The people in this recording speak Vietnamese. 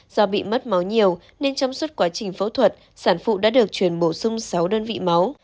do bị mất máu nhiều nên trong suốt quá trình phẫu thuật sản phụ đã được chuyển bổ sung sáu đơn vị máu